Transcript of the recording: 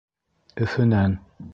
Өфөнән.